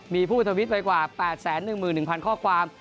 มีผู้ทวิตไปกว่า๘๑๑๐๐ข้อความ